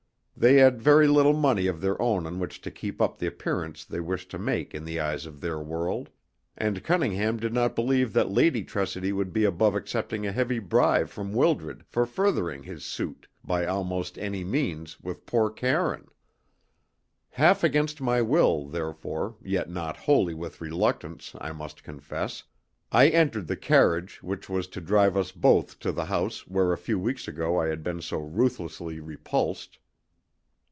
They had very little money of their own on which to keep up the appearance they wished to make in the eyes of their world, and Cunningham did not believe that Lady Tressidy would be above accepting a heavy bribe from Wildred for furthering his suit, by almost any means, with poor Karine. Half against my will, therefore, yet not wholly with reluctance, I must confess, I entered the carriage which was to drive us both to the house where a few weeks ago I had been so ruthlessly repulsed.